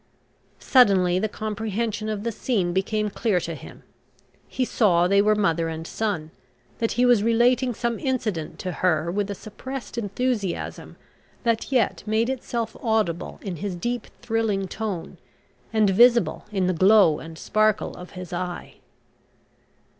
Suddenly the comprehension of the scene became clear to him. He saw they were mother and son, that he was relating some incident to her with a suppressed enthusiasm that yet made itself audible in his deep, thrilling tone, and visible in the glow and sparkle of his eye.